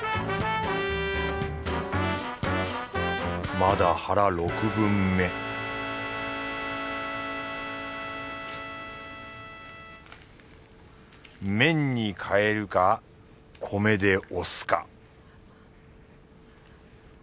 まだ腹六分目麺に変えるか米でおすか